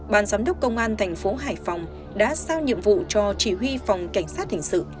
ban giám đốc công an thành phố hải phòng đã sao nhiệm vụ cho chỉ huy phòng cảnh sát hình sự